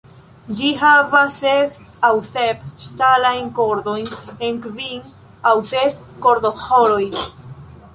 Ĝi havas ses aŭ sep ŝtalajn kordojn en kvin aŭ ses kordoĥoroj.